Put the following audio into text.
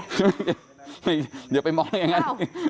เดี๋ยวไปมองอย่างนั้น